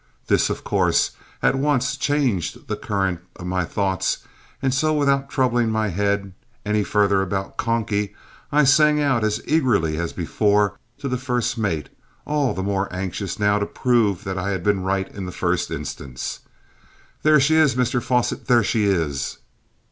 This, of course, at once changed the current of my thoughts; and so, without troubling my head any further about "Conky," I sang out as eagerly as before to the first mate, all the more anxious now to prove that I had been right in the first instance, "There she is, Mr Fosset, there she is!"